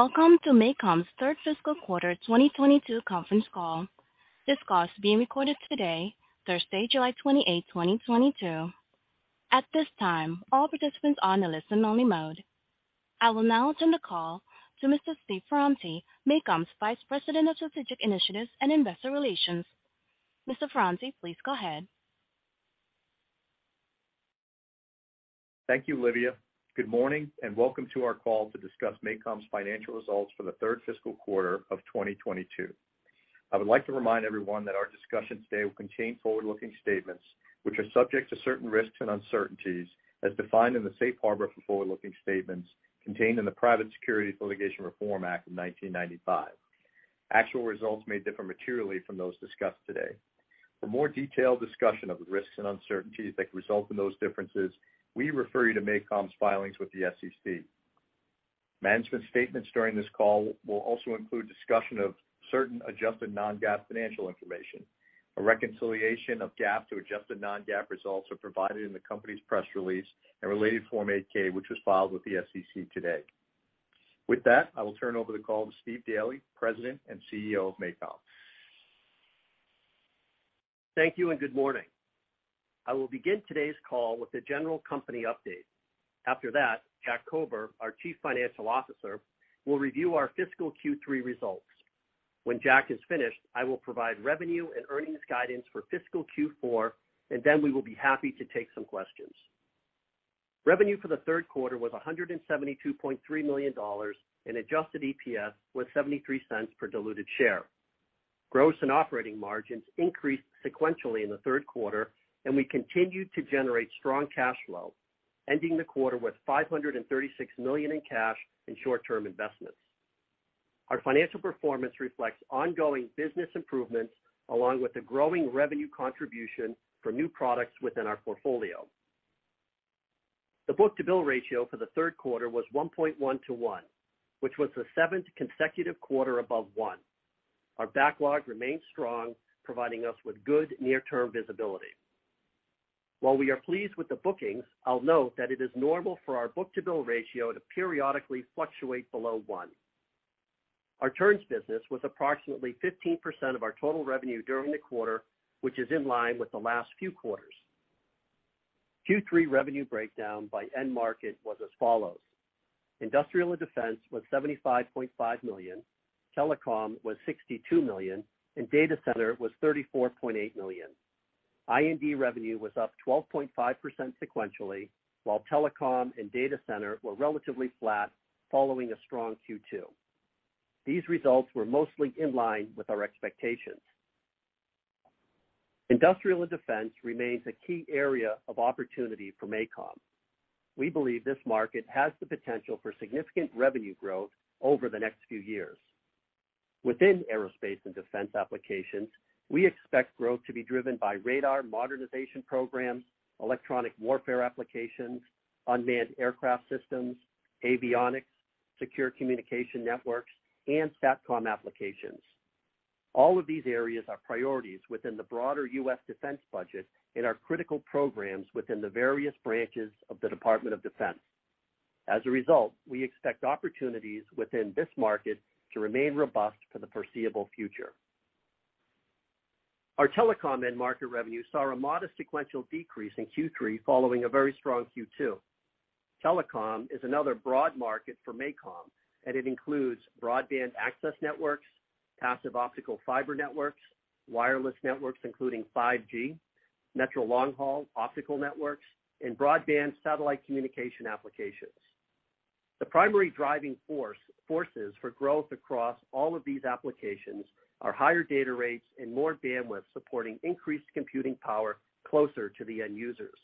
Welcome to MACOM's Third Fiscal Quarter 2022 Conference Call. This call is being recorded today, Thursday, July 28, 2022. At this time, all participants are in a listen only mode. I will now turn the call to Mr. Stephen Ferranti, MACOM's Vice President of Strategic Initiatives and Investor Relations. Mr. Ferranti, please go ahead. Thank you, Olivia. Good morning and welcome to our call to discuss MACOM's financial results for the third fiscal quarter of 2022. I would like to remind everyone that our discussion today will contain forward-looking statements, which are subject to certain risks and uncertainties as defined in the safe harbor for forward-looking statements contained in the Private Securities Litigation Reform Act of 1995. Actual results may differ materially from those discussed today. For more detailed discussion of the risks and uncertainties that could result in those differences, we refer you to MACOM's filings with the SEC. Management statements during this call will also include discussion of certain adjusted non-GAAP financial information. A reconciliation of GAAP to adjusted non-GAAP results are provided in the company's press release and related Form 8-K, which was filed with the SEC today. With that, I will turn over the call to Stephen Daly, President and CEO of MACOM. Thank you, and good morning. I will begin today's call with a general company update. After that, Jack Kober, our Chief Financial Officer, will review our fiscal Q3 results. When John is finished, I will provide revenue and earnings guidance for fiscal Q4, and then we will be happy to take some questions. Revenue for the third quarter was $172.3 million, and adjusted EPS was $0.73 per diluted share. Gross and operating margins increased sequentially in the third quarter, and we continued to generate strong cash flow, ending the quarter with $536 million in cash and short-term investments. Our financial performance reflects ongoing business improvements along with the growing revenue contribution for new products within our portfolio. The book-to-bill ratio for the third quarter was 1.1 to one, which was the seventh consecutive quarter above one. Our backlog remains strong, providing us with good near-term visibility. While we are pleased with the bookings, I'll note that it is normal for our book-to-bill ratio to periodically fluctuate below one. Our turns business was approximately 15% of our total revenue during the quarter, which is in line with the last few quarters. Q3 revenue breakdown by end market was as follows. Industrial and Defense was $75.5 million, Telecom was $62 million, and Data Center was $34.8 million. I&D revenue was up 12.5% sequentially, while Telecom and Data Center were relatively flat following a strong Q2. These results were mostly in line with our expectations. Industrial and Defense remains a key area of opportunity for MACOM. We believe this market has the potential for significant revenue growth over the next few years. Within Aerospace and Defense applications, we expect growth to be driven by radar modernization programs, Electronic Warfare applications, Unmanned Aircraft Systems, Avionics, secure communication networks, and SATCOM applications. All of these areas are priorities within the broader U.S. defense budget and are critical programs within the various branches of the Department of Defense. As a result, we expect opportunities within this market to remain robust for the foreseeable future. Our telecom end market revenue saw a modest sequential decrease in Q3 following a very strong Q2. Telecom is another broad market for MACOM, and it includes broadband access networks, passive optical fiber networks, wireless networks, including 5G, metro long-haul optical networks, and broadband satellite communication applications. The primary driving forces for growth across all of these applications are higher data rates and more bandwidth supporting increased computing power closer to the end users.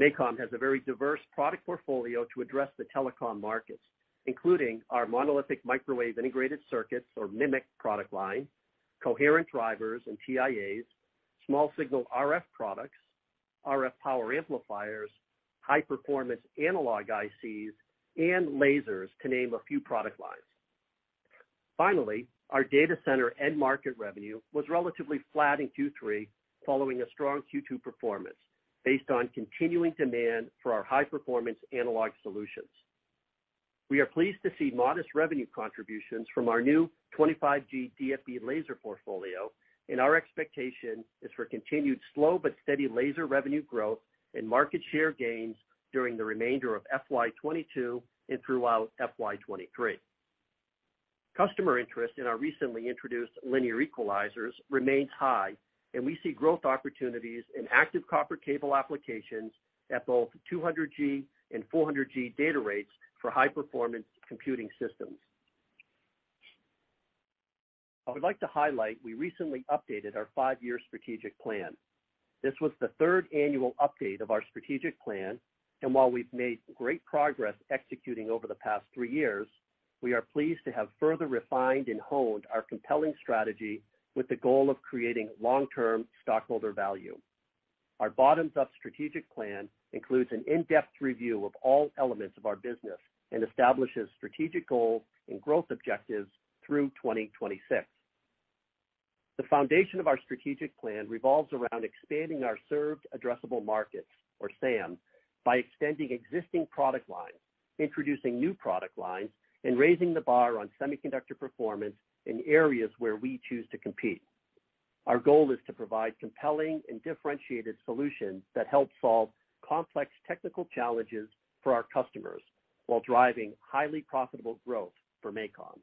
MACOM has a very diverse product portfolio to address the telecom markets, including our Monolithic Microwave Integrated Circuits or MMIC product line, coherent drivers and TIAs, small signal RF products, RF power amplifiers, high-performance analog ICs, and lasers to name a few product lines. Our data center end market revenue was relatively flat in Q3 following a strong Q2 performance based on continuing demand for our high-performance analog solutions. We are pleased to see modest revenue contributions from our new 25G DFB laser portfolio, and our expectation is for continued slow but steady laser revenue growth and market share gains during the remainder of FY 2022 and throughout FY 2023. Customer interest in our recently introduced linear equalizers remains high, and we see growth opportunities in active copper cable applications at both 200G and 400G data rates for high-performance computing systems. I would like to highlight we recently updated our five-year strategic plan. This was the third annual update of our strategic plan, and while we've made great progress executing over the past three years, we are pleased to have further refined and honed our compelling strategy with the goal of creating long-term stockholder value. Our bottoms-up strategic plan includes an in-depth review of all elements of our business and establishes strategic goals and growth objectives through 2026. The foundation of our strategic plan revolves around expanding our Served Addressable Markets, or SAM, by extending existing product lines, introducing new product lines, and raising the bar on semiconductor performance in areas where we choose to compete. Our goal is to provide compelling and differentiated solutions that help solve complex technical challenges for our customers while driving highly profitable growth for MACOM.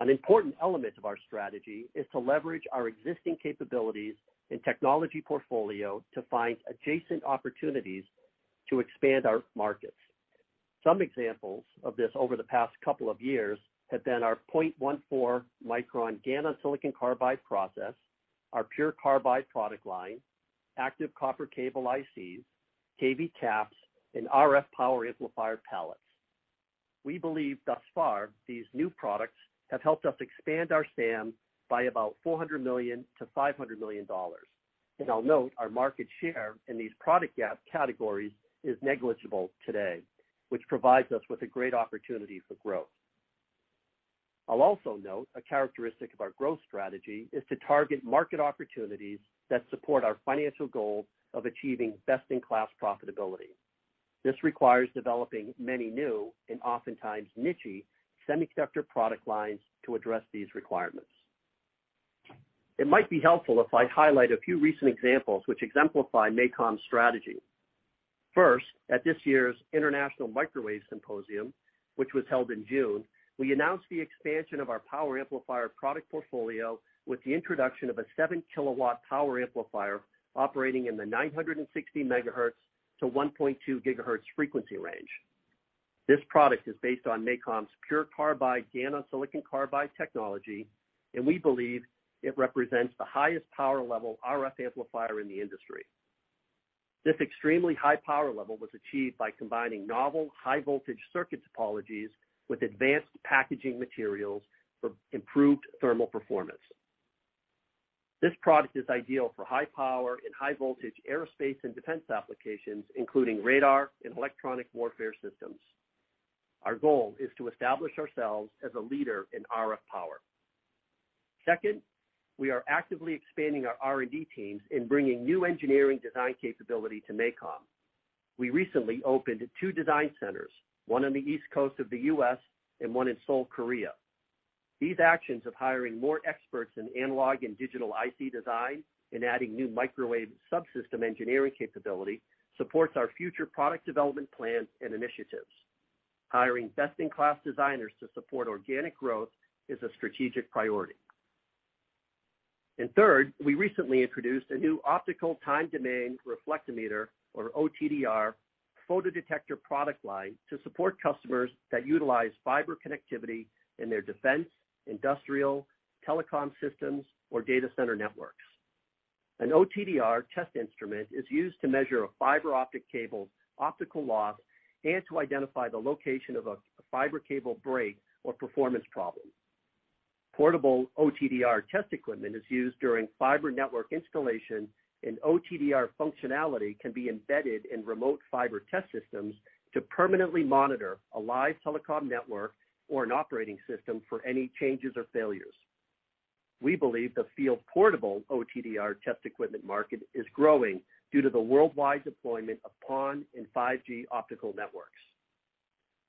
An important element of our strategy is to leverage our existing capabilities and technology portfolio to find adjacent opportunities to expand our markets. Some examples of this over the past couple of years have been our 0.14-micron GaN-on-silicon carbide process, our PURE CARBIDE product line, active copper cable ICs, KV CAPS, and RF power amplifier pallets. We believe thus far, these new products have helped us expand our SAM by about $400 million-$500 million. I'll note our market share in these product categories is negligible today, which provides us with a great opportunity for growth. I'll also note a characteristic of our growth strategy is to target market opportunities that support our financial goals of achieving best-in-class profitability. This requires developing many new and oftentimes niche semiconductor product lines to address these requirements. It might be helpful if I highlight a few recent examples which exemplify MACOM's strategy. First, at this year's International Microwave Symposium, which was held in June, we announced the expansion of our power amplifier product portfolio with the introduction of a 7 kW power amplifier operating in the 960 MHz to 1.2 GHz frequency range. This product is based on MACOM's PURE CARBIDE GaN-on-Silicon Carbide technology, and we believe it represents the highest power level RF amplifier in the industry. This extremely high power level was achieved by combining novel high voltage circuit topologies with advanced packaging materials for improved thermal performance. This product is ideal for high power and high voltage aerospace and defense applications, including radar and electronic warfare systems. Our goal is to establish ourselves as a leader in RF power. Second, we are actively expanding our R&D teams in bringing new engineering design capability to MACOM. We recently opened two design centers, one on the east coast of the U.S. and one in Seoul, Korea. These actions of hiring more experts in analog and Digital IC design and adding new Microwave subsystem engineering capability support our future product development plans and initiatives. Hiring best-in-class designers to support organic growth is a strategic priority. Third, we recently introduced a new Optical Time-Domain Reflectometer, or OTDR, photodetector product line to support customers that utilize fiber connectivity in their defense, industrial, telecom systems, or data center networks. An OTDR test instrument is used to measure a fiber optic cable's optical loss and to identify the location of a fiber cable break or performance problem. Portable OTDR test equipment is used during fiber network installation, and OTDR functionality can be embedded in remote fiber test systems to permanently monitor a live telecom network or an operating system for any changes or failures. We believe the field portable OTDR test equipment market is growing due to the worldwide deployment of PON and 5G optical networks.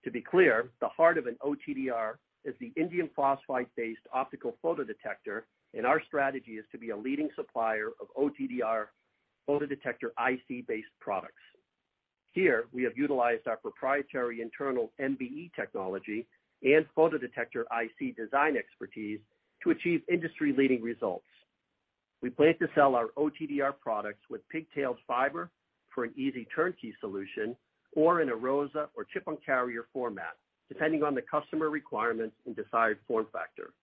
To be clear, the heart of an OTDR is the Indium Phosphide-based optical photodetector, and our strategy is to be a leading supplier of OTDR photodetector IC-based products. Here, we have utilized our proprietary internal MBE technology and photodetector IC design expertise to achieve industry-leading results. We plan to sell our OTDR products with pigtails fiber for an easy turnkey solution or in a ROSA or chip on carrier format, depending on the customer requirements and desired form factor.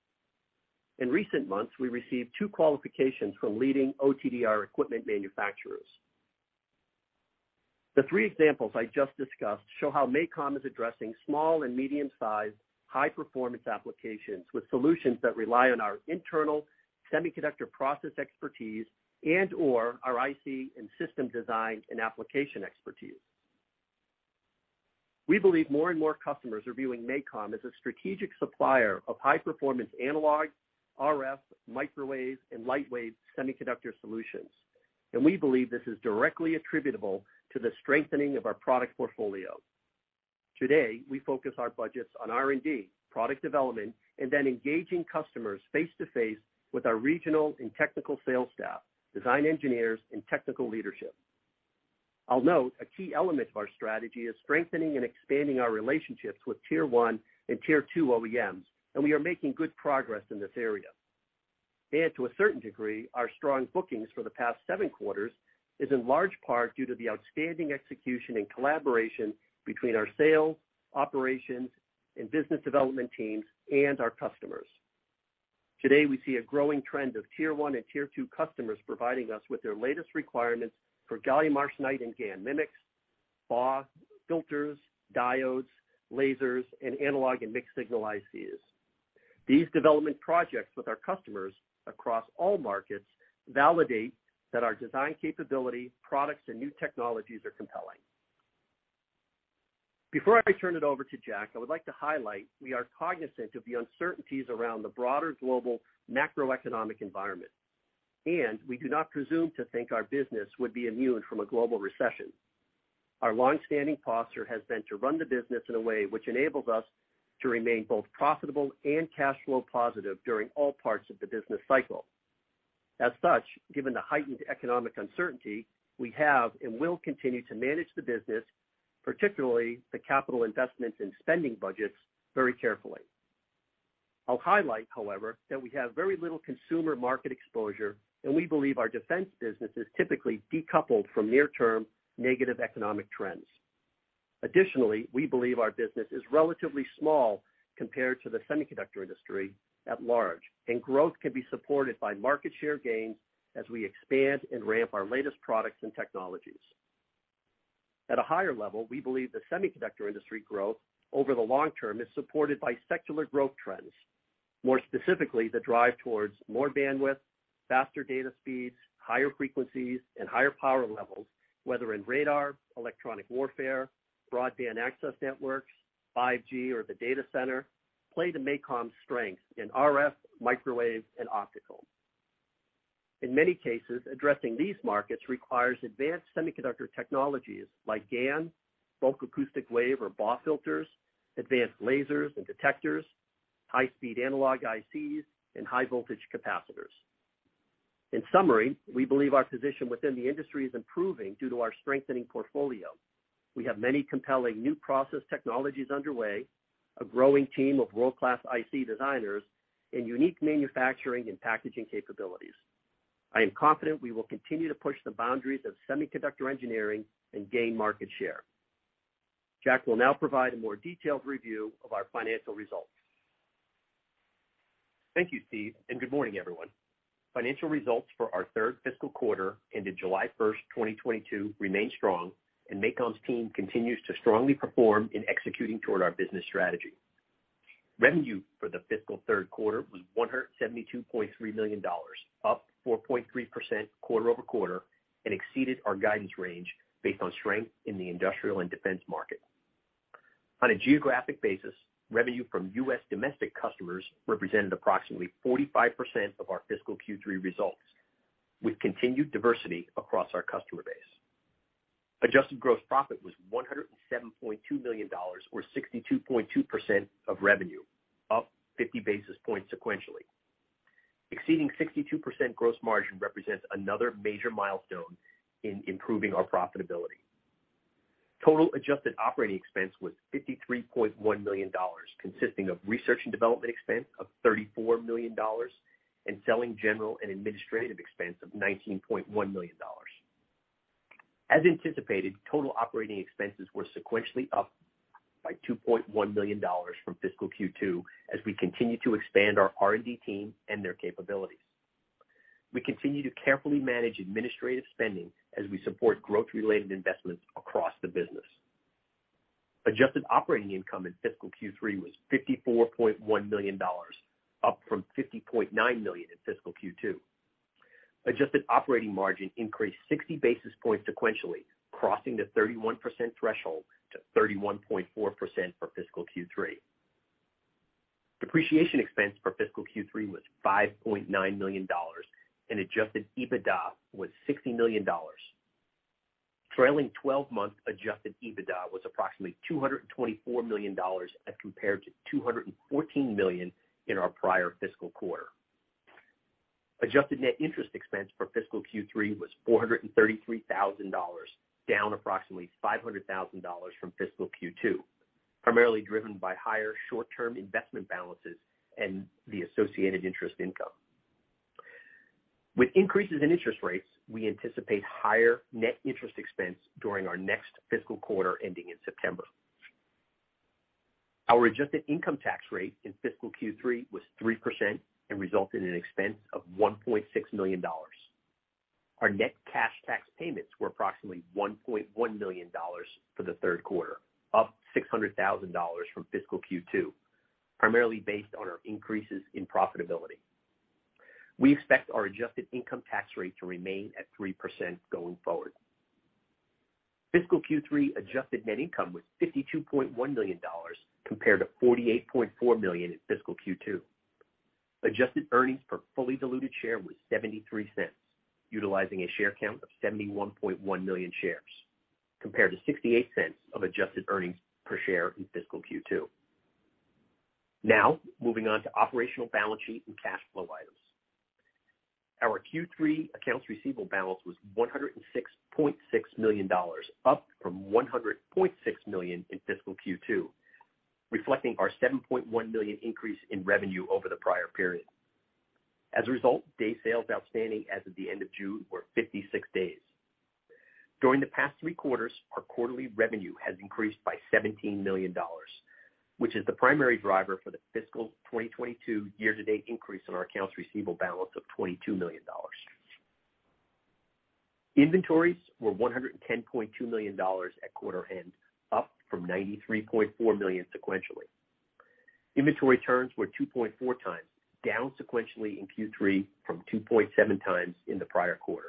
In recent months, we received two qualifications from leading OTDR equipment manufacturers. The three examples I just discussed show how MACOM is addressing small and medium-sized high-performance applications with solutions that rely on our internal semiconductor process expertise and/or our IC and system design and application expertise. We believe more and more customers are viewing MACOM as a strategic supplier of high-performance analog, RF, Microwave, and light wave semiconductor solutions, and we believe this is directly attributable to the strengthening of our product portfolio. Today, we focus our budgets on R&D, product development, and then engaging customers face to face with our regional and technical sales staff, design engineers, and technical leadership. I'll note a key element of our strategy is strengthening and expanding our relationships with Tier I and Tier II OEMs, and we are making good progress in this area. To a certain degree, our strong bookings for the past seven quarters is in large part due to the outstanding execution and collaboration between our sales, operations, and business development teams and our customers. Today, we see a growing trend of Tier I and Tier II customers providing us with their latest requirements for Gallium Arsenide and GaN MMICs, BAW filters, diodes, lasers, and analog and mixed signal ICs. These development projects with our customers across all markets validate that our design capability, products, and new technologies are compelling. Before I turn it over to Jack, I would like to highlight we are cognizant of the uncertainties around the broader global macroeconomic environment, and we do not presume to think our business would be immune from a global recession. Our long-standing posture has been to run the business in a way which enables us to remain both profitable and cash flow positive during all parts of the business cycle. As such, given the heightened economic uncertainty, we have and will continue to manage the business, particularly the capital investments and spending budgets very carefully. I'll highlight, however, that we have very little consumer market exposure, and we believe our defense business is typically decoupled from near-term negative economic trends. Additionally, we believe our business is relatively small compared to the semiconductor industry at large, and growth can be supported by market share gains as we expand and ramp our latest products and technologies. At a higher level, we believe the semiconductor industry growth over the long term is supported by secular growth trends. More specifically, the drive towards more bandwidth, faster data speeds, higher frequencies, and higher power levels, whether in radar, electronic warfare, broadband access networks, 5G or the data center, play to MACOM's strength in RF, Microwave, and optical. In many cases, addressing these markets requires advanced semiconductor technologies like GaN, Bulk Acoustic Wave or BAW filters, advanced lasers and detectors, high-speed analog ICs, and high voltage capacitors. In summary, we believe our position within the industry is improving due to our strengthening portfolio. We have many compelling new process technologies underway, a growing team of world-class IC designers, and unique manufacturing and packaging capabilities. I am confident we will continue to push the boundaries of semiconductor engineering and gain market share. Jack will now provide a more detailed review of our financial results. Thank you, Steve, and good morning, everyone. Financial results for our third fiscal quarter ended July 1st, 2022 remained strong, and MACOM's team continues to strongly perform in executing toward our business strategy. Revenue for the fiscal third quarter was $172.3 million, up 4.3% quarter-over-quarter and exceeded our guidance range based on strength in the Industrial & Defense market. On a geographic basis, revenue from U.S. domestic customers represented approximately 45% of our fiscal Q3 results, with continued diversity across our customer base. Adjusted gross profit was $107.2 million, or 62.2% of revenue, up 50 basis points sequentially. Exceeding 62% gross margin represents another major milestone in improving our profitability. Total adjusted operating expense was $53.1 million, consisting of research and development expense of $34 million and selling general and administrative expense of $19.1 million. As anticipated, total operating expenses were sequentially up by $2.1 million from fiscal Q2 as we continue to expand our R&D team and their capabilities. We continue to carefully manage administrative spending as we support growth-related investments across the business. Adjusted operating income in fiscal Q3 was $54.1 million, up from $50.9 million in fiscal Q2. Adjusted operating margin increased 60 basis points sequentially, crossing the 31% threshold to 31.4% for fiscal Q3. Depreciation expense for fiscal Q3 was $5.9 million, and Adjusted EBITDA was $60 million. Trailing-twelve-month Adjusted EBITDA was approximately $224 million as compared to $214 million in our prior fiscal quarter. Adjusted net interest expense for fiscal Q3 was $433,000, down approximately $500,000 from fiscal Q2, primarily driven by higher short-term investment balances and the associated interest income. With increases in interest rates, we anticipate higher net interest expense during our next fiscal quarter ending in September. Our adjusted income tax rate in fiscal Q3 was 3% and resulted in an expense of $1.6 million. Our net cash tax payments were approximately $1.1 million for the third quarter, up $600,000 from fiscal Q2, primarily based on our increases in profitability. We expect our adjusted income tax rate to remain at 3% going forward. Fiscal Q3 Adjusted Net Income was $52.1 million compared to $48.4 million in fiscal Q2. Adjusted earnings per fully diluted share was $0.73, utilizing a share count of 71.1 million shares, compared to $0.68 of adjusted earnings per share in fiscal Q2. Now, moving on to operational balance sheet and cash flow items. Our Q3 accounts receivable balance was $106.6 million, up from $100.6 million in fiscal Q2, reflecting our $7.1 million increase in revenue over the prior period. As a result, days sales outstanding as of the end of June were 56 days. During the past three quarters, our quarterly revenue has increased by $17 million, which is the primary driver for the fiscal 2022 year-to-date increase in our accounts receivable balance of $22 million. Inventories were $110.2 million at quarter end, up from $93.4 million sequentially. Inventory turns were 2.4x, down sequentially in Q3 from 2.7x in the prior quarter.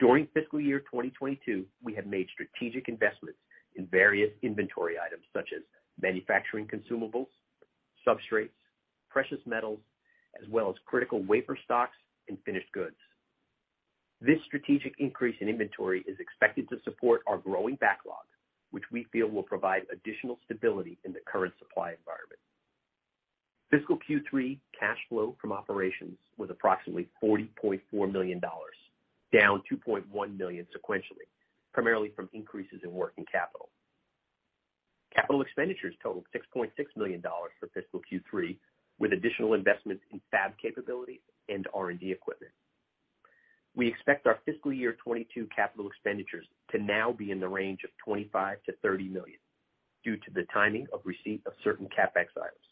During fiscal year 2022, we have made strategic investments in various inventory items such as manufacturing consumables, substrates, precious metals, as well as critical wafer stocks and finished goods. This strategic increase in inventory is expected to support our growing backlog, which we feel will provide additional stability in the current supply environment. Fiscal Q3 cash flow from operations was approximately $40.4 million, down $2.1 million sequentially, primarily from increases in working capital. Capital expenditures totaled $6.6 million for fiscal Q3, with additional investments in fab capabilities and R&D equipment. We expect our fiscal year 2022 capital expenditures to now be in the range of $25 million-$30 million due to the timing of receipt of certain CapEx items.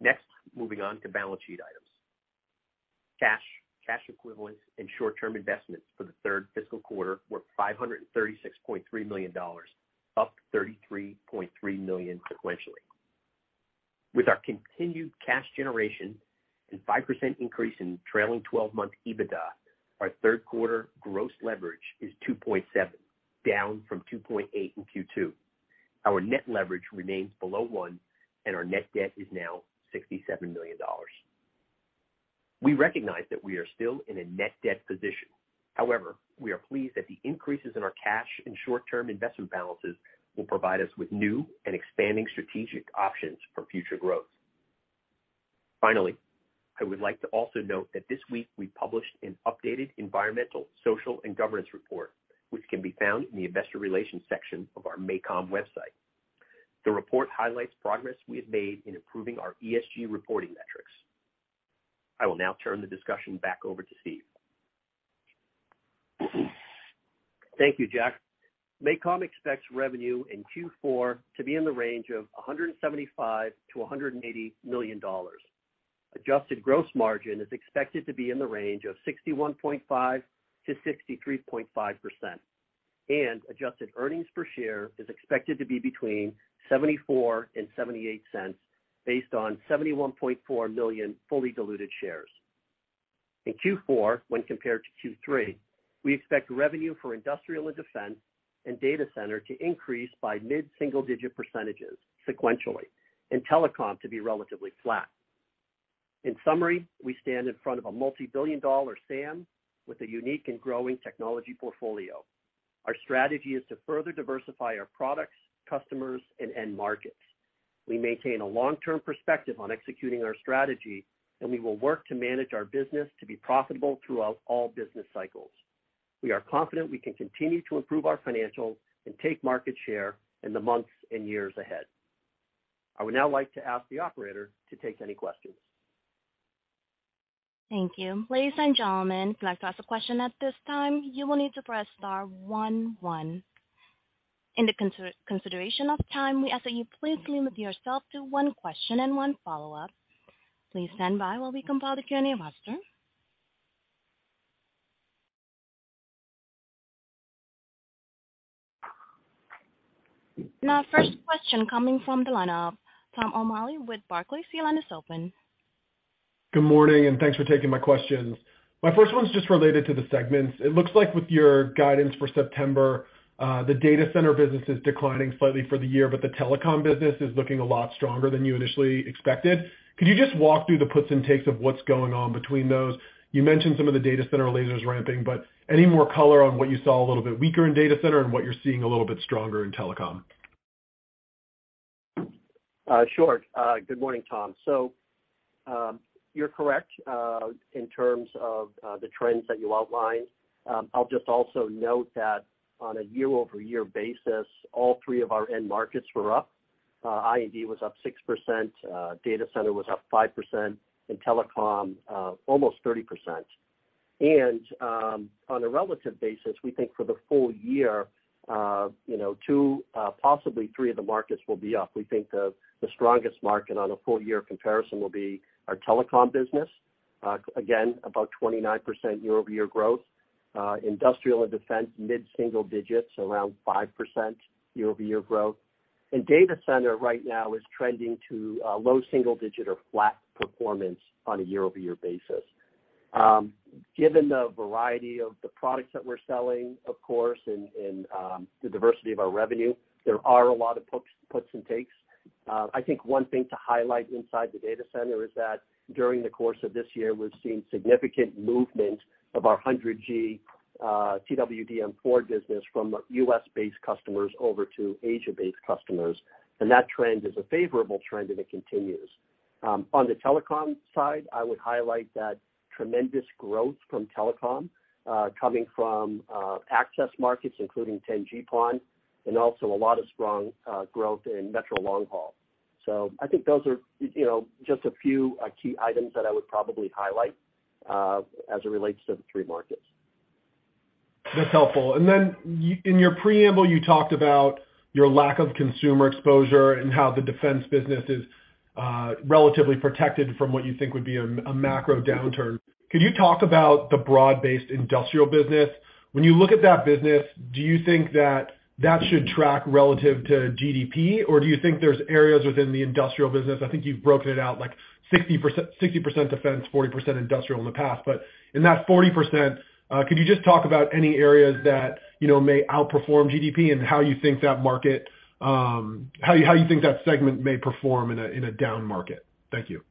Next, moving on to balance sheet items. Cash, cash equivalents, and short-term investments for the third fiscal quarter were $536.3 million, up $33.3 million sequentially. With our continued cash generation and 5% increase in trailing twelve-month EBITDA, our third quarter gross leverage is 2.7, down from 2.8 in Q2. Our net leverage remains below one, and our net debt is now $67 million. We recognize that we are still in a net debt position. However, we are pleased that the increases in our cash and short-term investment balances will provide us with new and expanding strategic options for future growth. Finally, I would like to also note that this week we published an updated environmental, social, and governance report, which can be found in the investor relations section of our MACOM website. The report highlights progress we have made in improving our ESG reporting metrics. I will now turn the discussion back over to Steve. Thank you, Jack. MACOM expects revenue in Q4 to be in the range of $175 million-$180 million. Adjusted gross margin is expected to be in the range of 61.5%-63.5%. Adjusted earnings per share is expected to be between $0.74 and $0.78 based on 71.4 million fully diluted shares. In Q4, when compared to Q3, we expect revenue for industrial and defense and data center to increase by mid-single-digit percentages sequentially, and telecom to be relatively flat. In summary, we stand in front of a multi-billion-dollar SAM with a unique and growing technology portfolio. Our strategy is to further diversify our products, customers, and end markets. We maintain a long-term perspective on executing our strategy, and we will work to manage our business to be profitable throughout all business cycles. We are confident we can continue to improve our financials and take market share in the months and years ahead. I would now like to ask the operator to take any questions. Thank you. Ladies and gentlemen, if you'd like to ask a question at this time, you will need to press star one one. In the consideration of time, we ask that you please limit yourself to one question and one follow-up. Please stand by while we compile the Q&A roster. Now first question coming from the line of Tom O'Malley with Barclays. Your line is open. Good morning, and thanks for taking my questions. My first one's just related to the segments. It looks like with your guidance for September, the data center business is declining slightly for the year, but the telecom business is looking a lot stronger than you initially expected. Could you just walk through the puts and takes of what's going on between those? You mentioned some of the data center lasers ramping, but any more color on what you saw a little bit weaker in data center and what you're seeing a little bit stronger in telecom? Sure. Good morning, Tom. You're correct in terms of the trends that you outlined. I'll just also note that on a year-over-year basis, all three of our end markets were up. I&D was up 6%, data center was up 5%, and telecom almost 30%. On a relative basis, we think for the full year, you know, two possibly three of the markets will be up. We think the strongest market on a full year comparison will be our telecom business, again, about 29% year-over-year growth. Industrial and defense, mid-single digits, around 5% year-over-year growth. Data center right now is trending to low single digit or flat performance on a year-over-year basis. Given the variety of the products that we're selling, of course, and the diversity of our revenue, there are a lot of puts and takes. I think one thing to highlight inside the data center is that during the course of this year, we've seen significant movement of our 100G CWDM4 business from U.S.-based customers over to Asia-based customers. That trend is a favorable trend, and it continues. On the telecom side, I would highlight that tremendous growth from telecom coming from access markets, including 10G PON, and also a lot of strong growth in metro long haul. I think those are, you know, just a few key items that I would probably highlight as it relates to the three markets. That's helpful. In your preamble, you talked about your lack of consumer exposure and how the defense business is relatively protected from what you think would be a macro downturn. Could you talk about the broad-based industrial business? When you look at that business, do you think that that should track relative to GDP? Or do you think there's areas within the industrial business? I think you've broken it out like 60% Defense, 40% Industrial in the past. In that 40%, could you just talk about any areas that, you know, may outperform GDP and how you think that market, how you think that segment may perform in a down market? Thank you.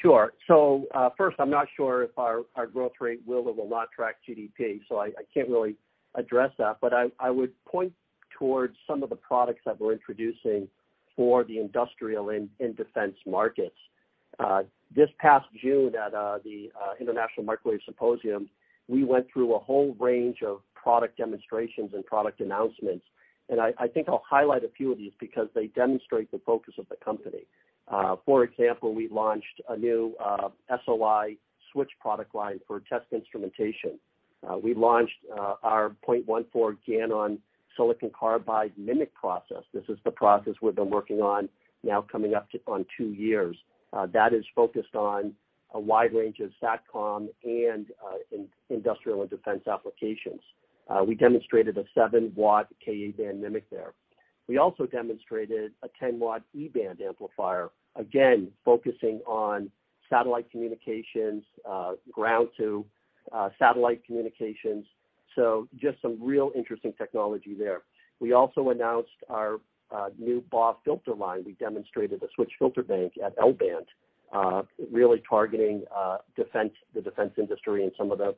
Sure. So, first, I'm not sure if our growth rate will or will not track GDP, so I can't really address that. But I would point towards some of the products that we're introducing for the industrial and defense markets. This past June at the International Microwave Symposium, we went through a whole range of product demonstrations and product announcements. I think I'll highlight a few of these because they demonstrate the focus of the company. For example, we launched a new SOI switch product line for test instrumentation. We launched our 0.14 GaN-on-Silicon Carbide MMIC process. This is the process we've been working on now coming up on two years. That is focused on a wide range of SATCOM and in industrial and defense applications. We demonstrated a 7W Ka-band MMIC there. We also demonstrated a 10W E-band amplifier, again, focusing on satellite communications, ground to satellite communications. Just some real interesting technology there. We also announced our new BAW filter line. We demonstrated a switch filter bank at L-band, really targeting defense, the defense industry and some of the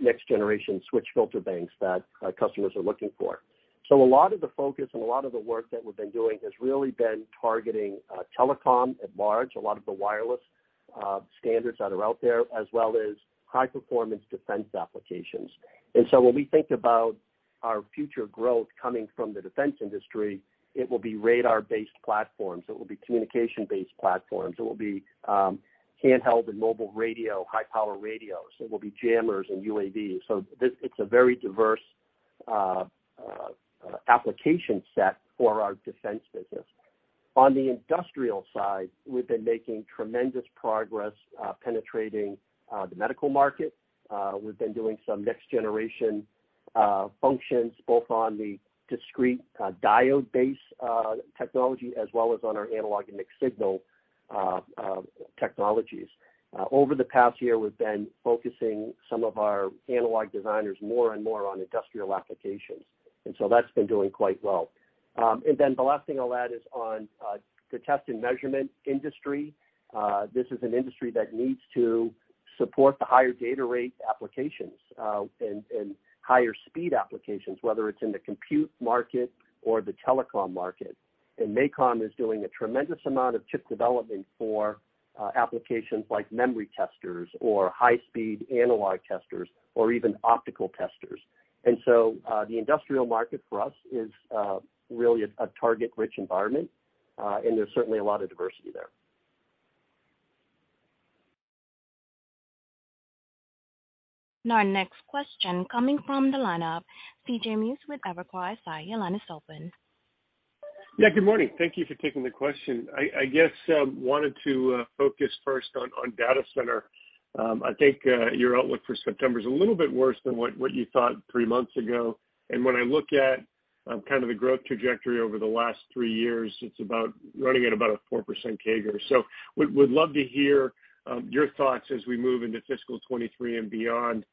next generation switch filter banks that customers are looking for. A lot of the focus and a lot of the work that we've been doing has really been targeting telecom at large, a lot of the wireless standards that are out there, as well as high-performance defense applications. When we think about our future growth coming from the defense industry, it will be radar-based platforms. It will be communication-based platforms. It will be handheld and mobile radio, high-power radios. It will be Jammers and UAV. This is a very diverse application set for our defense business. On the industrial side, we've been making tremendous progress penetrating the medical market. We've been doing some next generation functions, both on the discrete diode-based technology, as well as on our analog and mixed signal technologies. Over the past year, we've been focusing some of our analog designers more and more on industrial applications. That's been doing quite well. The last thing I'll add is on the test and measurement industry. This is an industry that needs to support the higher data rate applications and higher speed applications, whether it's in the compute market or the telecom market. MACOM is doing a tremendous amount of chip development for applications like memory testers or high-speed analog testers or even optical testers. The industrial market for us is really a target-rich environment, and there's certainly a lot of diversity there. Our next question coming from the line of CJ Muse with Evercore ISI. Your line is open. Yeah, good morning. Thank you for taking the question. I guess wanted to focus first on data center. I think your outlook for September is a little bit worse than what you thought three months ago. When I look at kind of the growth trajectory over the last three years, it's about running at about a 4% CAGR. Would love to hear your thoughts as we move into fiscal 2023 and beyond,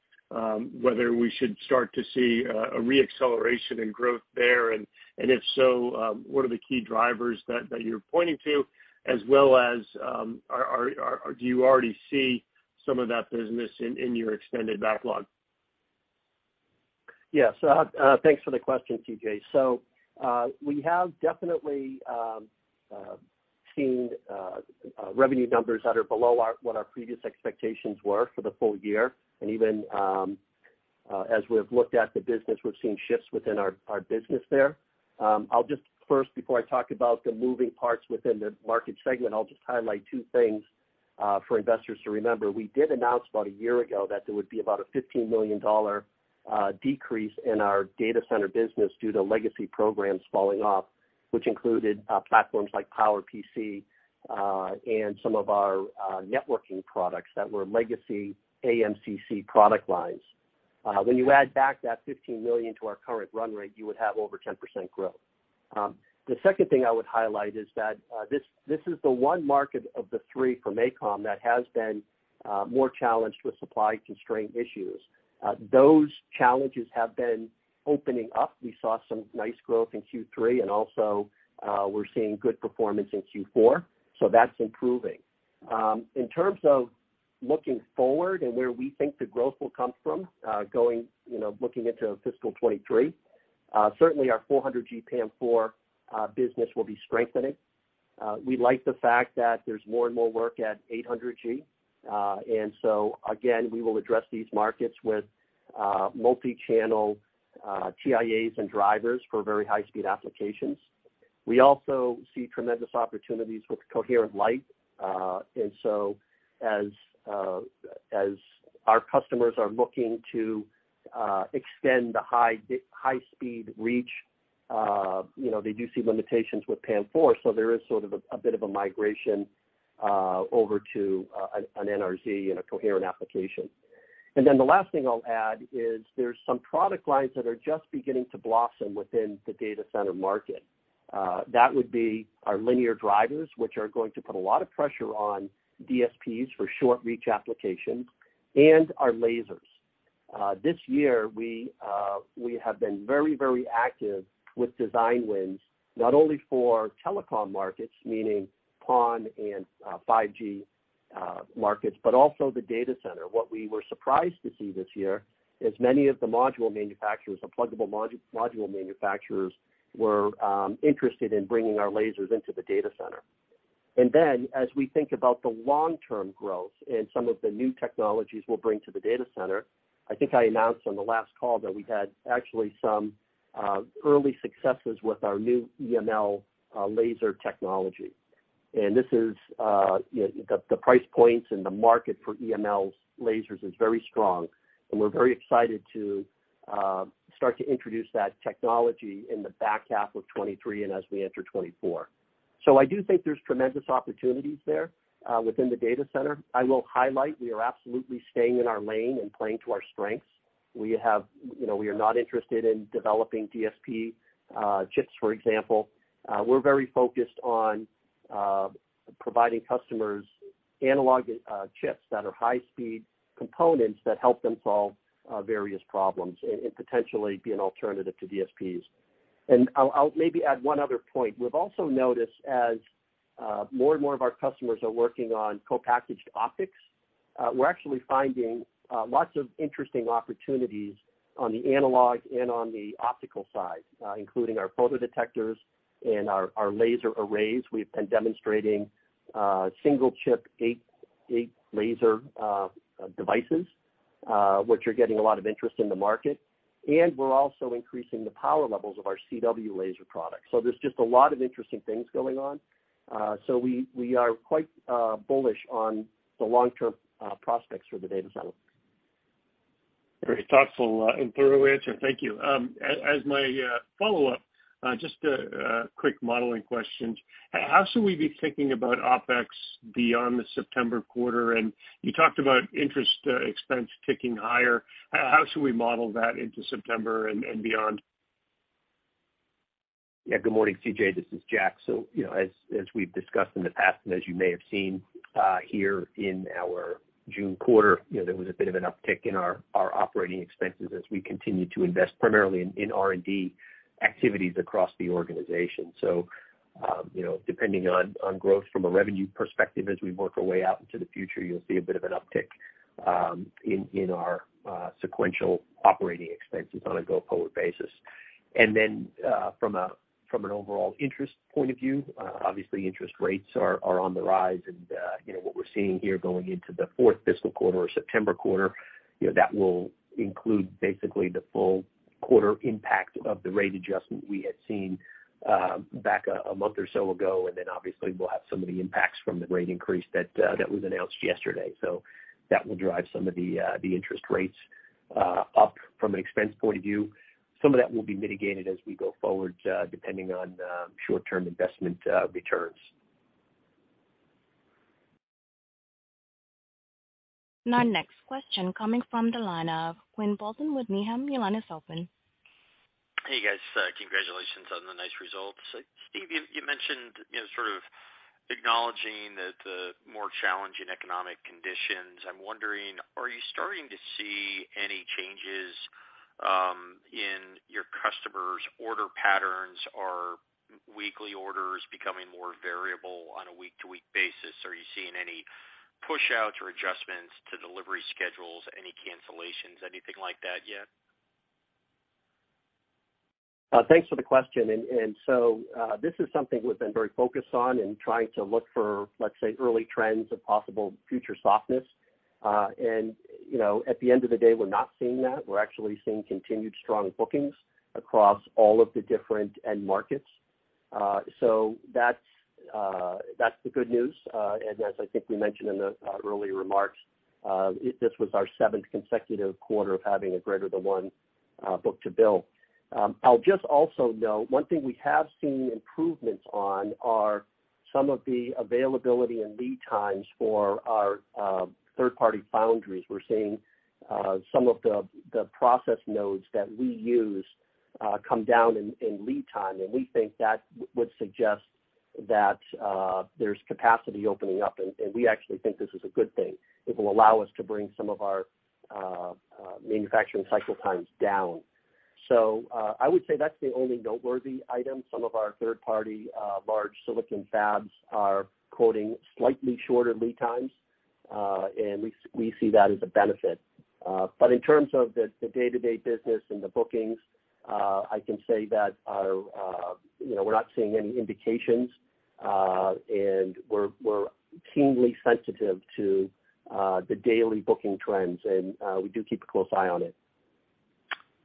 whether we should start to see a re-acceleration in growth there. If so, what are the key drivers that you're pointing to, as well as, do you already see some of that business in your extended backlog? Yeah. Thanks for the question, CJ. We have definitely seen revenue numbers that are below what our previous expectations were for the full year. Even as we've looked at the business, we've seen shifts within our business there. I'll just first, before I talk about the moving parts within the market segment, I'll just highlight two things for investors to remember. We did announce about a year ago that there would be about a $15 million decrease in our data center business due to legacy programs falling off, which included platforms like PowerPC and some of our networking products that were legacy AMCC product lines. When you add back that $15 million to our current run rate, you would have over 10% growth. The second thing I would highlight is that this is the one market of the three for MACOM that has been more challenged with supply constraint issues. Those challenges have been opening up. We saw some nice growth in Q3 and also we're seeing good performance in Q4. So that's improving. In terms of looking forward and where we think the growth will come from, going, you know, looking into fiscal 2023, certainly our 400G PAM4 business will be strengthening. We like the fact that there's more and more work at 800G. And so again, we will address these markets with multi-channel TIAs and drivers for very high-speed applications. We also see tremendous opportunities with coherent light. As our customers are looking to extend the high speed reach, you know, they do see limitations with PAM4. There is sort of a bit of a migration over to an NRZ in a coherent application. The last thing I'll add is there's some product lines that are just beginning to blossom within the data center market. That would be our linear drivers, which are going to put a lot of pressure on DSPs for short reach applications and our lasers. This year we have been very, very active with design wins not only for telecom markets, meaning PON and 5G markets, but also the data center. What we were surprised to see this year is many of the module manufacturers or pluggable module manufacturers were interested in bringing our lasers into the data center. As we think about the long-term growth and some of the new technologies we'll bring to the data center, I think I announced on the last call that we've had actually some early successes with our new EML laser technology. This is you know the price points and the market for EML's lasers is very strong, and we're very excited to start to introduce that technology in the back half of 2023 and as we enter 2024. I do think there's tremendous opportunities there within the data center. I will highlight we are absolutely staying in our lane and playing to our strengths. We have, you know, we are not interested in developing DSP chips, for example. We're very focused on providing customers analog chips that are high speed components that help them solve various problems and potentially be an alternative to DSPs. I'll maybe add one other point. We've also noticed as more and more of our customers are working on co-packaged optics, we're actually finding lots of interesting opportunities on the analog and on the optical side, including our photodetectors and our laser arrays. We've been demonstrating single chip eight laser devices, which are getting a lot of interest in the market, and we're also increasing the power levels of our CW laser products. There's just a lot of interesting things going on. We are quite bullish on the long-term prospects for the data center. Very thoughtful and thorough answer. Thank you. As my follow-up, just a quick modeling question. How should we be thinking about OpEx beyond the September quarter? You talked about interest expense ticking higher. How should we model that into September and beyond? Yeah. Good morning, CJ. This is Jack. You know, as we've discussed in the past, and as you may have seen, here in our June quarter, you know, there was a bit of an uptick in our operating expenses as we continue to invest primarily in R&D activities across the organization. You know, depending on growth from a revenue perspective, as we work our way out into the future, you'll see a bit of an uptick in our sequential operating expenses on a go forward basis. From an overall interest point of view, obviously interest rates are on the rise. You know, what we're seeing here going into the fourth fiscal quarter or September quarter, you know, that will include basically the full quarter impact of the rate adjustment we had seen back a month or so ago. Then obviously we'll have some of the impacts from the rate increase that that was announced yesterday. That will drive some of the interest rates up from an expense point of view. Some of that will be mitigated as we go forward, depending on short-term investment returns. Our next question coming from the line of Quinn Bolton with Needham. Your line is open. Hey, guys. Congratulations on the nice results. Steve, you mentioned, you know, sort of acknowledging the more challenging economic conditions. I'm wondering, are you starting to see any changes in your customers' order patterns? Are weekly orders becoming more variable on a week-to-week basis? Are you seeing any pushouts or adjustments to delivery schedules, any cancellations, anything like that yet? Thanks for the question. This is something we've been very focused on in trying to look for, let's say, early trends of possible future softness. You know, at the end of the day, we're not seeing that. We're actually seeing continued strong bookings across all of the different end markets. That's the good news. As I think we mentioned in the early remarks, this was our seventh consecutive quarter of having a greater than one book-to-bill. I'll just also note one thing we have seen improvements on are some of the availability and lead times for our third-party foundries. We're seeing some of the process nodes that we use come down in lead time, and we think that would suggest that there's capacity opening up. We actually think this is a good thing. It will allow us to bring some of our manufacturing cycle times down. I would say that's the only noteworthy item. Some of our third party large silicon fabs are quoting slightly shorter lead times, and we see that as a benefit. In terms of the day-to-day business and the bookings, I can say that, you know, we're not seeing any indications, and we're keenly sensitive to the daily booking trends, and we do keep a close eye on it.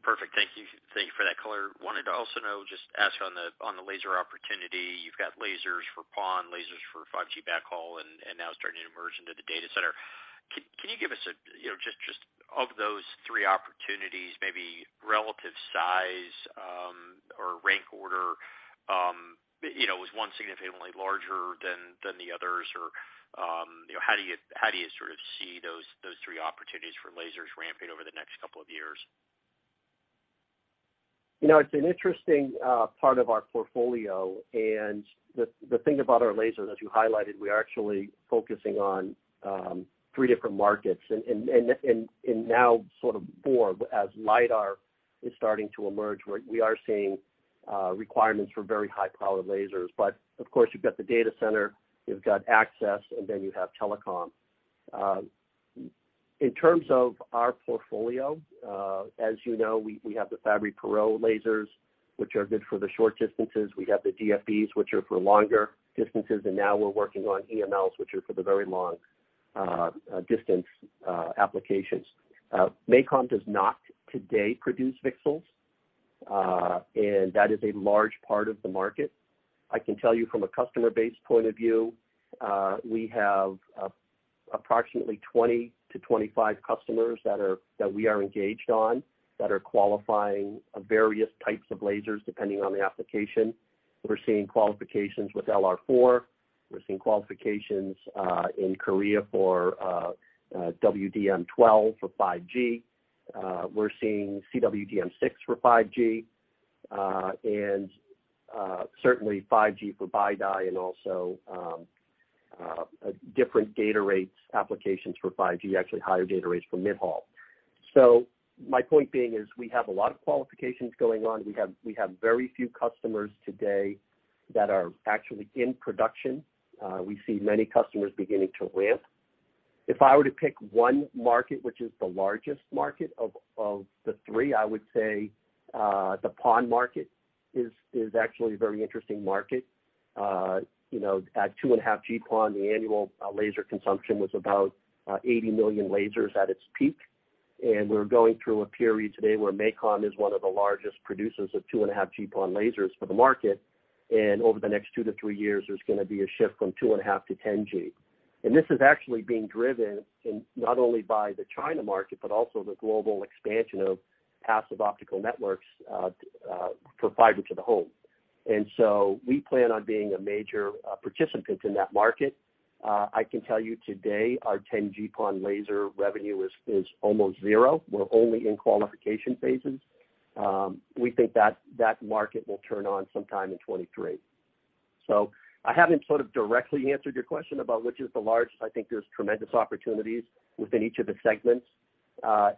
Perfect. Thank you. Thank you for that color. Wanted to also know, just ask on the laser opportunity. You've got lasers for PON, lasers for 5G backhaul, and now starting to emerge into the data center. Can you give us a, you know, just of those three opportunities, maybe relative size or rank order, you know, is one significantly larger than the others? Or, you know, how do you sort of see those three opportunities for lasers ramping over the next couple of years? You know, it's an interesting part of our portfolio. The thing about our lasers, as you highlighted, we are actually focusing on three different markets. Now sort of four as LIDAR is starting to emerge, where we are seeing requirements for very high-powered lasers. Of course, you've got the data center, you've got access, and then you have telecom. In terms of our portfolio, as you know, we have the Fabry-Perot lasers, which are good for the short distances. We have the DFBs, which are for longer distances, and now we're working on EMLs, which are for the very long distance applications. MACOM does not today produce VCSELs, and that is a large part of the market. I can tell you from a customer base point of view, we have approximately 20-25 customers that we are engaged on that are qualifying various types of lasers depending on the application. We're seeing qualifications with LR4. We're seeing qualifications in Korea for WDM 12 for 5G. We're seeing CWDM six for 5G, and certainly 5G for BiDi and also different data rates applications for 5G, actually higher data rates for mid-haul. My point being is we have a lot of qualifications going on. We have very few customers today that are actually in production. We see many customers beginning to ramp. If I were to pick one market which is the largest market of the three, I would say the PON market is actually a very interesting market. You know, at 2.5G PON, the annual laser consumption was about 80 million lasers at its peak. We're going through a period today where MACOM is one of the largest producers of 2.5G PON lasers for the market. Over the next two to three years, there's gonna be a shift from 2.5G to 10G. This is actually being driven in not only by the China market, but also the global expansion of passive optical networks for fiber to the home. We plan on being a major participant in that market. I can tell you today our 10G PON laser revenue is almost zero. We're only in qualification phases. We think that market will turn on sometime in 2023. I haven't sort of directly answered your question about which is the largest. I think there's tremendous opportunities within each of the segments.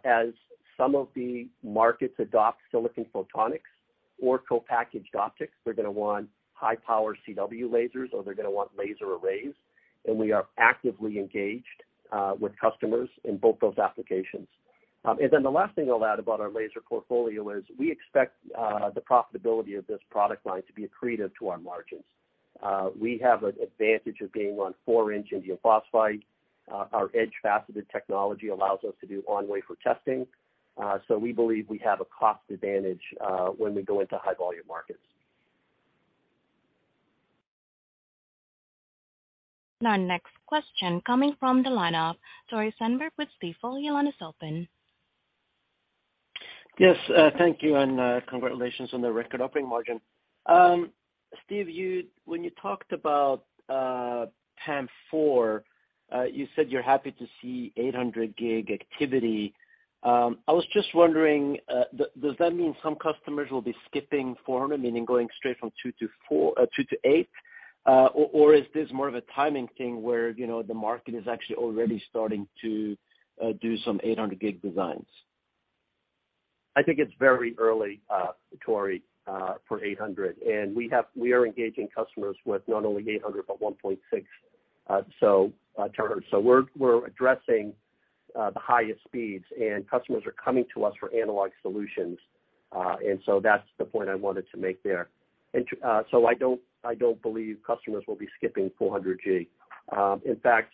As some of the markets adopt silicon photonics or co-packaged optics, they're gonna want high-power CW lasers or they're gonna want laser arrays, and we are actively engaged with customers in both those applications. The last thing I'll add about our laser portfolio is we expect the profitability of this product line to be accretive to our margins. We have an advantage of being on four-inch indium phosphide. Our edge faceted technology allows us to do on-wafer testing, so we believe we have a cost advantage when we go into high volume markets. Our next question coming from the line of Tore Svanberg with Stifel. Your line is open. Yes, thank you, and congratulations on the record operating margin. Steve, when you talked about PAM4, you said you're happy to see 800 Gig activity. I was just wondering, does that mean some customers will be skipping 400, meaning going straight from 200 to 400, 200 to 800? Or is this more of a timing thing where, you know, the market is actually already starting to do some 800 Gig designs? I think it's very early, Tore Svanberg, for 800. We are engaging customers with not only 800, but 1.6 Tb. We're addressing the highest speeds, and customers are coming to us for analog solutions, and so that's the point I wanted to make there. I don't believe customers will be skipping 400G. In fact,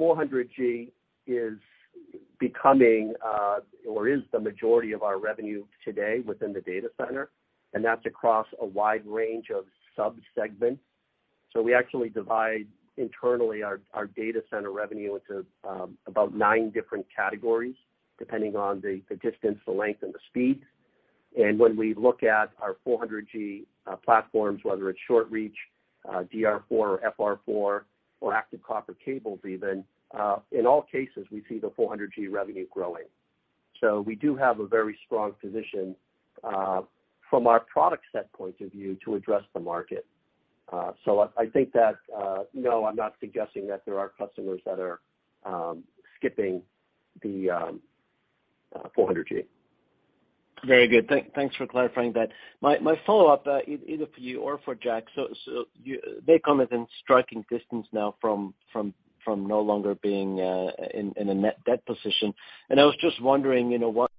400G is becoming or is the majority of our revenue today within the data center, and that's across a wide range of sub-segments. We actually divide internally our data center revenue into about nine different categories depending on the distance, the length, and the speed. When we look at our 400G platforms, whether it's short reach DR4 or FR4 or active copper cables even, in all cases, we see the 400G revenue growing. We do have a very strong position from our product standpoint of view to address the market. I think that, no, I'm not suggesting that there are customers that are skipping the 400G. Very good. Thanks for clarifying that. My follow-up, either for you or for Jack. MACOM is in striking distance now from no longer being in a net debt position. I was just wondering, you know, once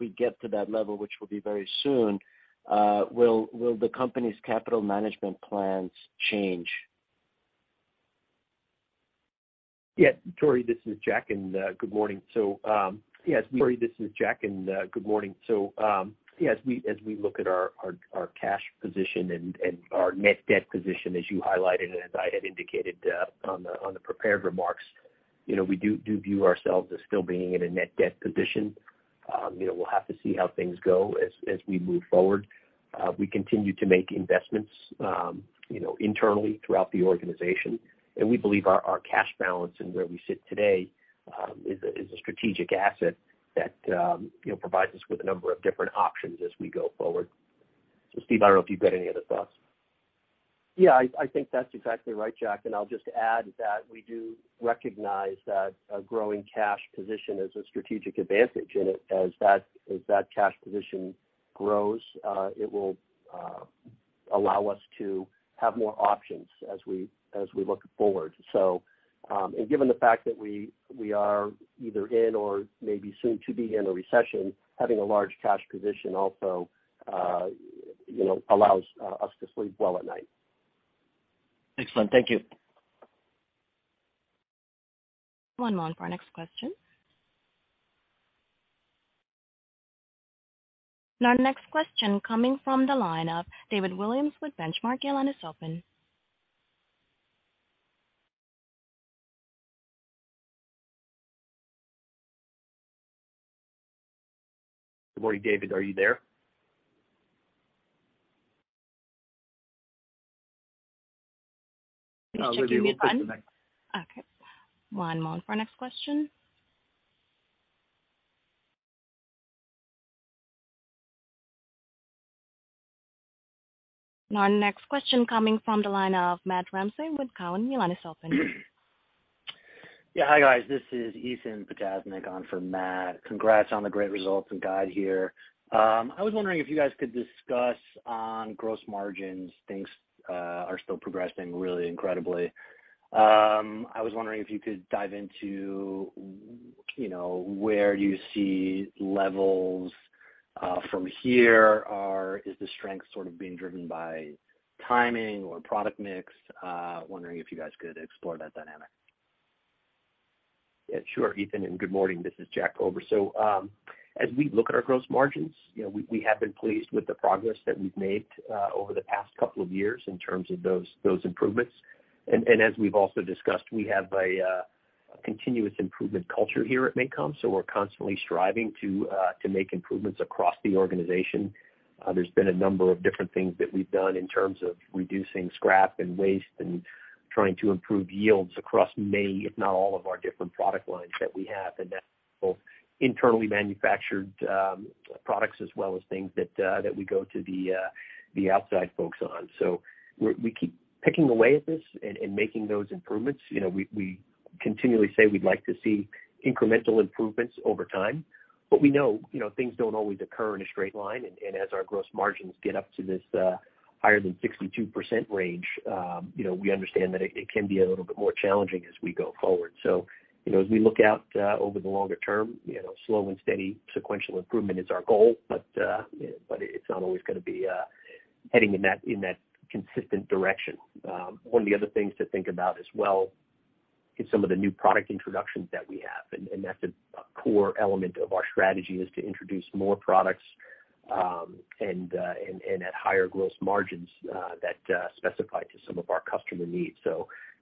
we get to that level, which will be very soon, will the company's capital management plans change? Yeah. Tory, this is Jack, and good morning. So, yes. Yeah, as we look at our cash position and our net debt position, as you highlighted, and as I had indicated on the prepared remarks, you know, we do view ourselves as still being in a net debt position. You know, we'll have to see how things go as we move forward. We continue to make investments, you know, internally throughout the organization. We believe our cash balance and where we sit today is a strategic asset that, you know, provides us with a number of different options as we go forward. Steve, I don't know if you've got any other thoughts. Yeah. I think that's exactly right, Jack, and I'll just add that we do recognize that a growing cash position is a strategic advantage, and as that cash position grows, it will allow us to have more options as we look forward. Given the fact that we are either in or maybe soon to be in a recession, having a large cash position also you know allows us to sleep well at night. Excellent. Thank you. One moment for our next question. Our next question coming from the line of David Williams with Benchmark. Your line is open. Good morning, David, are you there? Okay. One moment for our next question. Our next question coming from the line of Matt Ramsay with Cowen. Your line is open. Yeah. Hi, guys. This is Ethan Potasnick on for Matt. Congrats on the great results and guide here. I was wondering if you guys could discuss on gross margins. Things are still progressing really incredibly. I was wondering if you could dive into, you know, where you see levels from here. Is the strength sort of being driven by timing or product mix? Wondering if you guys could explore that dynamic. Yeah, sure, Ethan, and good morning. This is Jack Kober. As we look at our gross margins, you know, we have been pleased with the progress that we've made over the past couple of years in terms of those improvements. As we've also discussed, we have a continuous improvement culture here at MACOM, so we're constantly striving to make improvements across the organization. There's been a number of different things that we've done in terms of reducing scrap and waste and trying to improve yields across many, if not all, of our different product lines that we have, and that's both internally manufactured products as well as things that we go to the outside folks on. We keep picking away at this and making those improvements. You know, we continually say we'd like to see incremental improvements over time, but we know, you know, things don't always occur in a straight line. As our gross margins get up to this higher than 62% range, you know, we understand that it can be a little bit more challenging as we go forward. You know, as we look out over the longer term, you know, slow and steady sequential improvement is our goal, but it's not always gonna be heading in that consistent direction. One of the other things to think about as well is some of the new product introductions that we have. That's a core element of our strategy is to introduce more products and at higher gross margins that specify to some of our customer needs.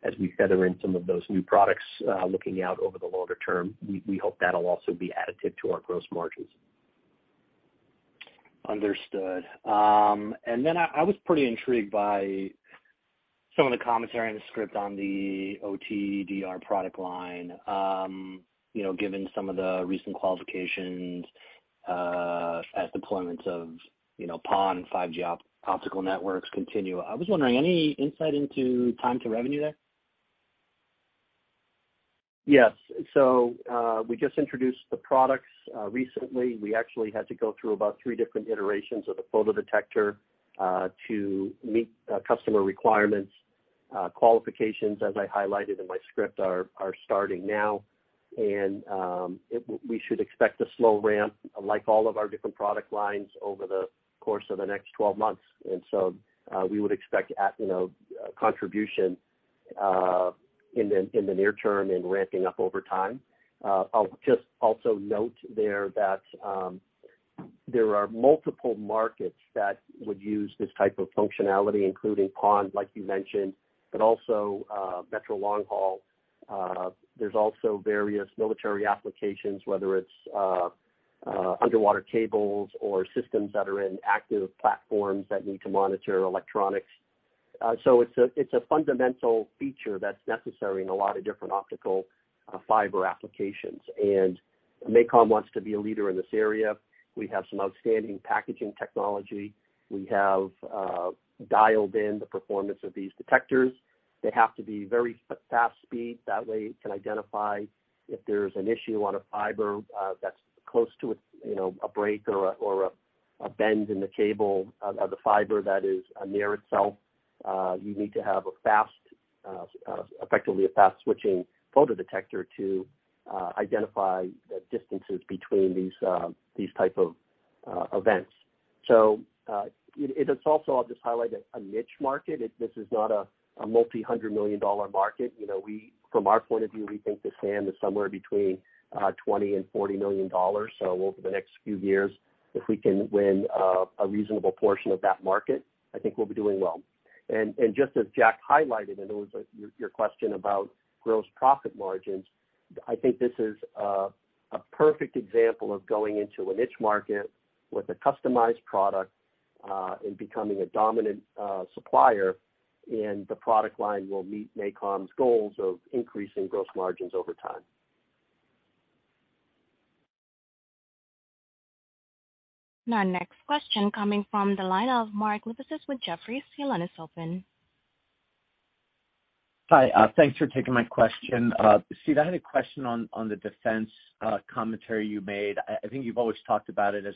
As we feather in some of those new products looking out over the longer term, we hope that'll also be additive to our gross margins. Understood. I was pretty intrigued by some of the commentary in the script on the OTDR product line. You know, given some of the recent qualifications, as deployments of PON 5G optical networks continue, I was wondering any insight into time to revenue there? Yes. We just introduced the products recently. We actually had to go through about three different iterations of the photodetector to meet customer requirements. Qualifications, as I highlighted in my script, are starting now. We should expect a slow ramp, like all of our different product lines, over the course of the next 12 months. We would expect at, you know, contribution in the near term and ramping up over time. I'll just also note there that there are multiple markets that would use this type of functionality, including PON, like you mentioned, but also metro long haul. There's also various military applications, whether it's underwater cables or systems that are in active platforms that need to monitor electronics. It's a fundamental feature that's necessary in a lot of different optical fiber applications, and MACOM wants to be a leader in this area. We have some outstanding packaging technology. We have dialed in the performance of these detectors. They have to be very fast speed, that way it can identify if there's an issue on a fiber that's close to a, you know, a break or a bend in the cable of the fiber that is near itself. You need to have a fast, effectively a fast switching photodetector to identify the distances between these these type of events. It is also, I'll just highlight, a niche market. This is not a multi-hundred million dollar market. You know, from our point of view, we think the SAM is somewhere between $20 million and $40 million. Over the next few years, if we can win a reasonable portion of that market, I think we'll be doing well. Just as Jack highlighted, it was your question about gross profit margins. I think this is a perfect example of going into a niche market with a customized product and becoming a dominant supplier, and the product line will meet MACOM's goals of increasing gross margins over time. Our next question coming from the line of Mark Lipacis with Jefferies. Your line is open. Hi, thanks for taking my question. Steve, I had a question on the defense commentary you made. I think you've always talked about it as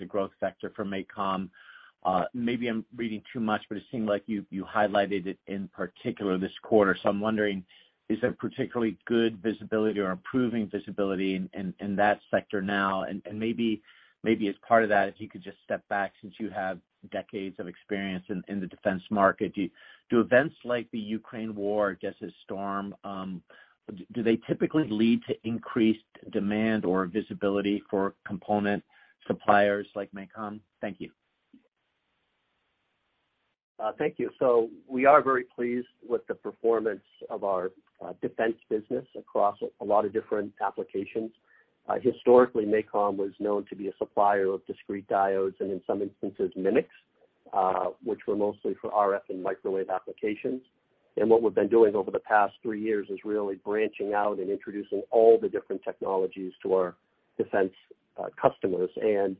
a growth sector for MACOM. Maybe I'm reading too much, but it seemed like you highlighted it in particular this quarter. I'm wondering, is there particularly good visibility or improving visibility in that sector now? Maybe as part of that, if you could just step back, since you have decades of experience in the defense market, do events like the Ukraine War or Desert Storm typically lead to increased demand or visibility for component suppliers like MACOM? Thank you. Thank you. We are very pleased with the performance of our defense business across a lot of different applications. Historically, MACOM was known to be a supplier of discrete diodes, and in some instances, MMICs, which were mostly for RF and Microwave applications. What we've been doing over the past three years is really branching out and introducing all the different technologies to our defense customers and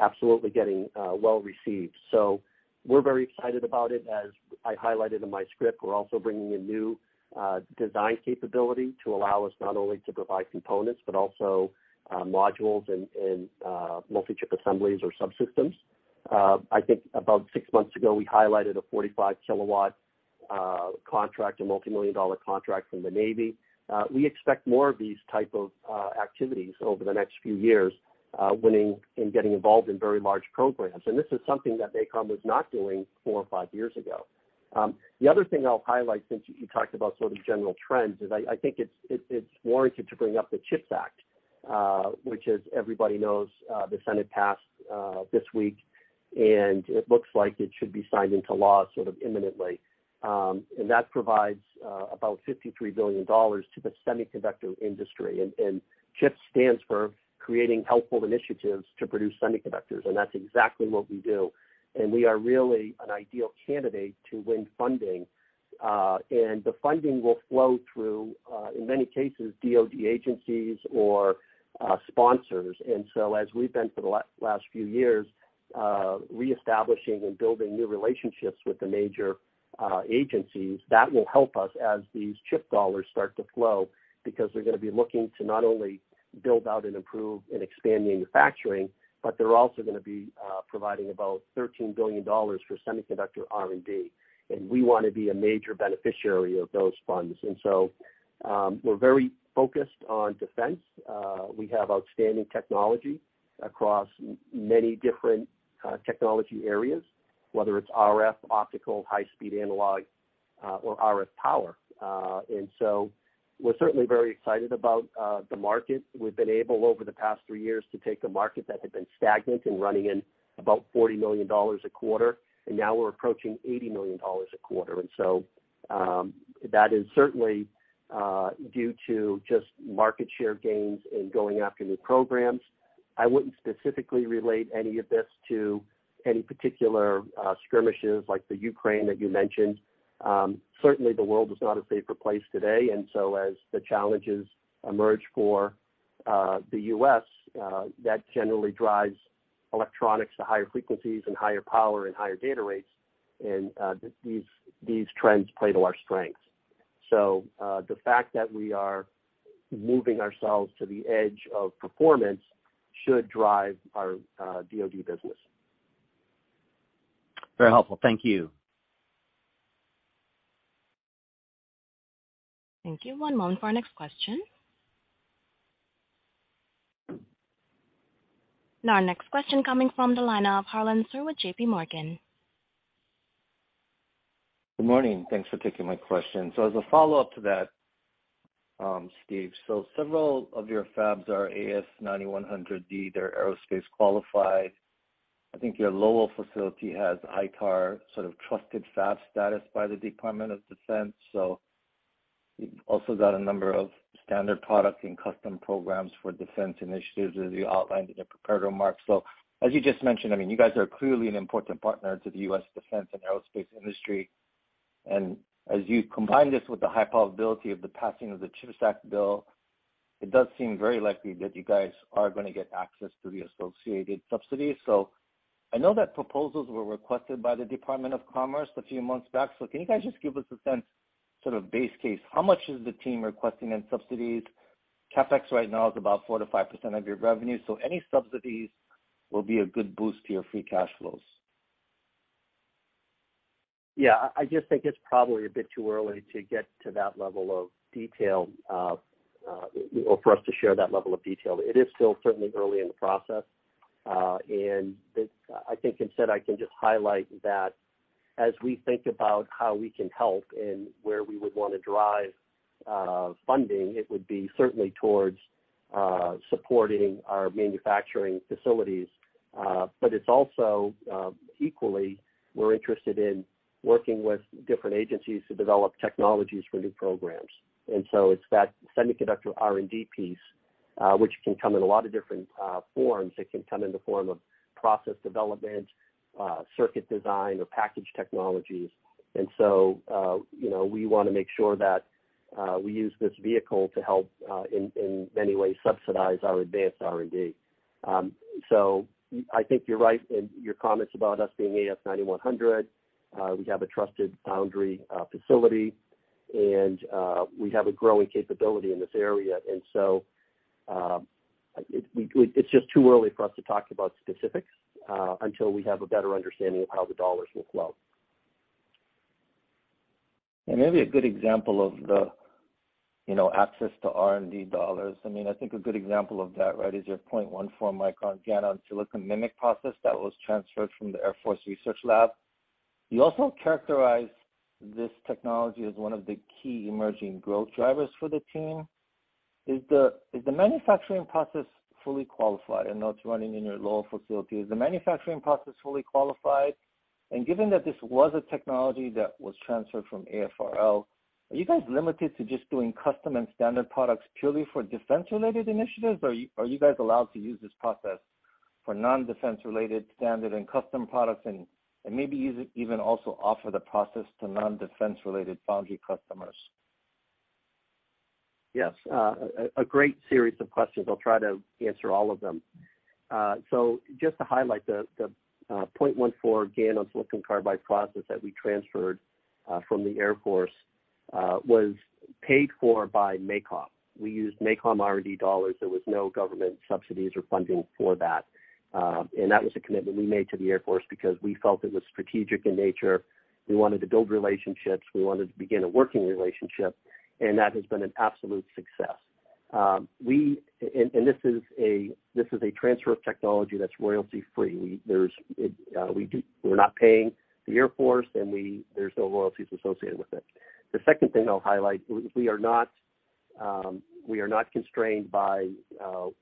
absolutely getting well received. We're very excited about it. As I highlighted in my script, we're also bringing in new design capability to allow us not only to provide components, but also modules and multi-chip assemblies or subsystems. I think about six months ago, we highlighted a 45kW contract, a multimillion-dollar contract from the Navy. We expect more of these type of activities over the next few years, winning and getting involved in very large programs. This is something that MACOM was not doing four or five years ago. The other thing I'll highlight since you talked about sort of general trends is I think it's warranted to bring up the CHIPS Act, which as everybody knows, the Senate passed this week, and it looks like it should be signed into law sort of imminently. That provides about $53 billion to the semiconductor industry. CHIPS stands for Creating Helpful Incentives to Produce Semiconductors, and that's exactly what we do. We are really an ideal candidate to win funding. The funding will flow through, in many cases, DoD agencies or sponsors. As we've been for the last few years, reestablishing and building new relationships with the major agencies, that will help us as these CHIPS dollars start to flow, because they're gonna be looking to not only build out and improve and expand manufacturing, but they're also gonna be providing about $13 billion for semiconductor R&D. We wanna be a major beneficiary of those funds. We're very focused on defense. We have outstanding technology across many different technology areas, whether it's RF, optical, high speed analog, or RF power. We're certainly very excited about the market. We've been able, over the past three years, to take a market that had been stagnant and running in about $40 million a quarter, and now we're approaching $80 million a quarter. That is certainly due to just market share gains and going after new programs. I wouldn't specifically relate any of this to any particular skirmishes like the Ukraine that you mentioned. Certainly the world is not a safer place today, and so as the challenges emerge for the U.S., that generally drives electronics to higher frequencies and higher power and higher data rates. These trends play to our strengths. The fact that we are moving ourselves to the edge of performance should drive our DoD business. Very helpful. Thank you. Thank you. One moment for our next question. Now our next question coming from the line of Harlan Sur with J.P. Morgan. Good morning. Thanks for taking my question. As a follow-up to that, Steve, so several of your fabs are AS9100D. They're aerospace qualified. I think your Lowell facility has ITAR sort of trusted fab status by the Department of Defense. You've also got a number of standard products and custom programs for defense initiatives, as you outlined in your prepared remarks. As you just mentioned, I mean, you guys are clearly an important partner to the U.S. defense and aerospace industry. As you combine this with the high probability of the passing of the CHIPS Act bill, it does seem very likely that you guys are gonna get access to the associated subsidies. I know that proposals were requested by the Department of Commerce a few months back. Can you guys just give us a sense, sort of base case, how much is the team requesting in subsidies? CapEx right now is about 4%-5% of your revenue, so any subsidies will be a good boost to your free cash flows. Yeah. I just think it's probably a bit too early to get to that level of detail, or for us to share that level of detail. It is still certainly early in the process. I think instead I can just highlight that as we think about how we can help and where we would wanna drive funding, it would be certainly towards supporting our manufacturing facilities. But it's also equally we're interested in working with different agencies to develop technologies for new programs. It's that semiconductor R&D piece, which can come in a lot of different forms. It can come in the form of process development, circuit design or package technologies. You know, we wanna make sure that we use this vehicle to help in many ways subsidize our advanced R&D. I think you're right in your comments about us being AS9100. We have a trusted foundry facility, and we have a growing capability in this area. It's just too early for us to talk about specifics until we have a better understanding of how the dollars will flow. Maybe a good example of the, you know, access to R&D dollars. I mean, I think a good example of that, right, is your 0.14 micron GaN-on-Silicon Carbide MMIC process that was transferred from the Air Force Research Laboratory. You also characterized this technology as one of the key emerging growth drivers for the team. Is the manufacturing process fully qualified? I know it's running in your Lowell facility. Is the manufacturing process fully qualified? Given that this was a technology that was transferred from AFRL, are you guys limited to just doing custom and standard products purely for defense-related initiatives, or are you guys allowed to use this process for non-defense-related standard and custom products and maybe even also offer the process to non-defense-related foundry customers? Yes. A great series of questions. I'll try to answer all of them. Just to highlight the 0.14 GaN-on-Silicon Carbide process that we transferred from the Air Force was paid for by MACOM. We used MACOM R&D dollars. There was no government subsidies or funding for that. That was a commitment we made to the Air Force because we felt it was strategic in nature. We wanted to build relationships, we wanted to begin a working relationship, and that has been an absolute success. This is a transfer of technology that's royalty-free. We're not paying the Air Force, and there's no royalties associated with it. The second thing I'll highlight, we are not constrained by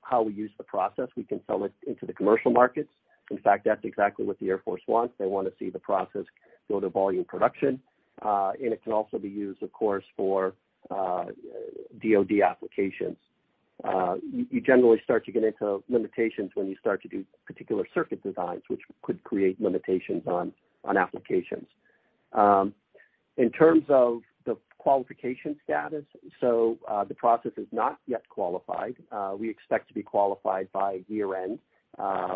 how we use the process. We can sell it into the commercial markets. In fact, that's exactly what the Air Force wants. They wanna see the process go to volume production. It can also be used, of course, for DoD applications. You generally start to get into limitations when you start to do particular circuit designs, which could create limitations on applications. In terms of the qualification status, the process is not yet qualified. We expect to be qualified by year-end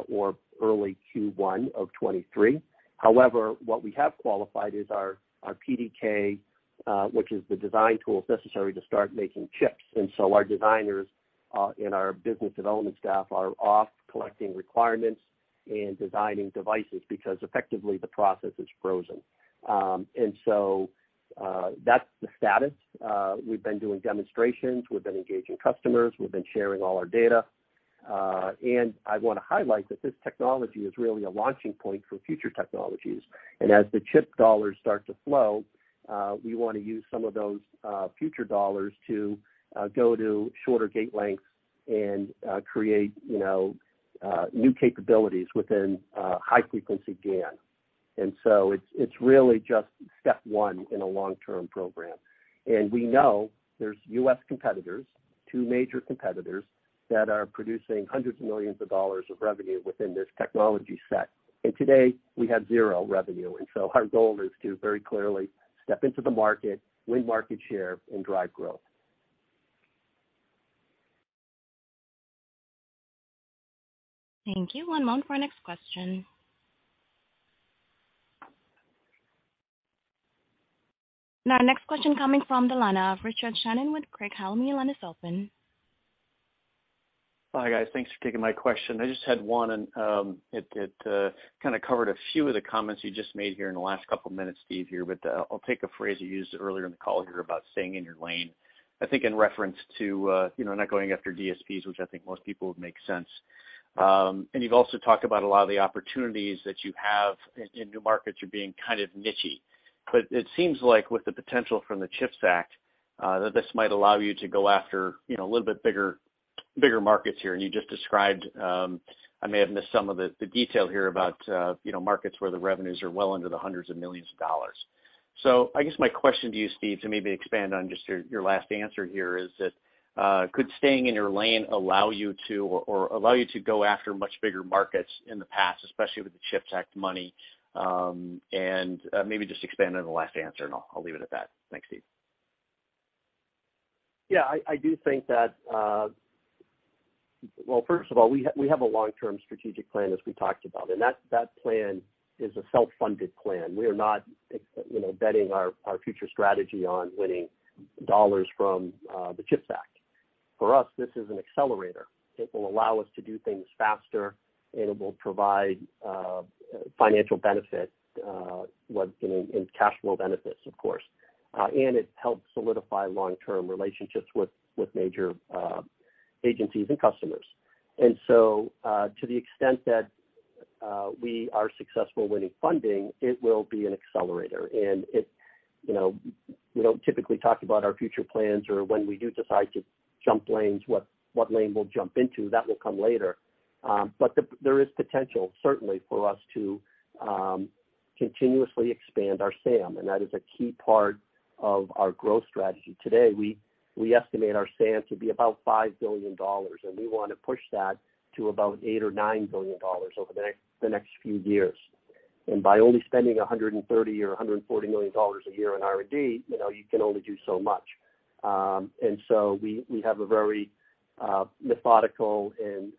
or early Q1 of 2023. However, what we have qualified is our PDK, which is the design tools necessary to start making chips. Our designers and our business development staff are off collecting requirements and designing devices because effectively the process is frozen. That's the status. We've been doing demonstrations, we've been engaging customers, we've been sharing all our data. I wanna highlight that this technology is really a launching point for future technologies. As the chip dollars start to flow, we wanna use some of those future dollars to go to shorter gate lengths and create, you know, new capabilities within high frequency GaN. It's really just step one in a long-term program. We know there's U.S. competitors, two major competitors, that are producing hundreds of millions of dollars of revenue within this technology set. Today we have zero revenue. Our goal is to very clearly step into the market, win market share, and drive growth. Thank you. One moment for our next question. Now our next question coming from the line of Richard Shannon with Craig-Hallum. Your line is open. Hi, guys. Thanks for taking my question. I just had one and it kind of covered a few of the comments you just made here in the last couple minutes, Steve. I'll take a phrase you used earlier in the call here about staying in your lane. I think in reference to you know not going after DSPs, which I think most people would make sense. You've also talked about a lot of the opportunities that you have in new markets, you're being kind of niche-y. It seems like with the potential from the CHIPS Act that this might allow you to go after you know a little bit bigger markets here. You just described, I may have missed some of it, the detail here about, you know, markets where the revenues are well into the $100s of millions. I guess my question to you, Steve, to maybe expand on just your last answer here, is that could staying in your lane allow you to or allow you to go after much bigger markets in the past, especially with the CHIPS Act money? Maybe just expand on the last answer, and I'll leave it at that. Thanks, Steve. Yeah. I do think that. Well, first of all, we have a long-term strategic plan, as we talked about, and that plan is a self-funded plan. We are not, you know, betting our future strategy on winning dollars from the CHIPS Act. For us, this is an accelerator. It will allow us to do things faster, and it will provide financial benefit, you know, in cash flow benefits, of course. It helps solidify long-term relationships with major agencies and customers. To the extent that we are successful winning funding, it will be an accelerator. It, you know, we don't typically talk about our future plans or when we do decide to jump lanes, what lane we'll jump into. That will come later. There is potential certainly for us to continuously expand our SAM, and that is a key part of our growth strategy. Today, we estimate our SAM to be about $5 billion, and we wanna push that to about $8 billion or $9 billion over the next few years. By only spending $130 million or $140 million a year in R&D, you know, you can only do so much. We have a very methodical and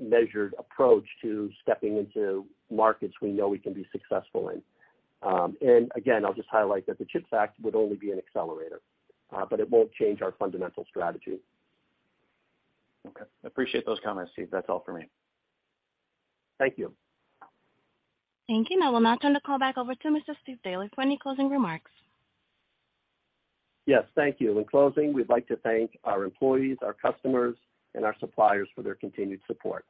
measured approach to stepping into markets we know we can be successful in. Again, I'll just highlight that the CHIPS Act would only be an accelerator, but it won't change our fundamental strategy. Okay. Appreciate those comments, Steve. That's all for me. Thank you. Thank you. I will now turn the call back over to Mr. Stephen Daly for any closing remarks. Yes. Thank you. In closing, we'd like to thank our employees, our customers, and our suppliers for their continued support.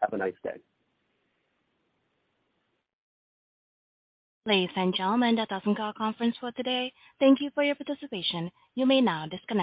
Have a nice day. Ladies and gentlemen, that does end the conference call for today. Thank you for your participation. You may now disconnect.